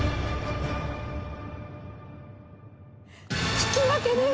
引き分けです！